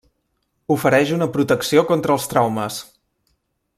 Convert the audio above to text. Ofereix una protecció contra els traumes.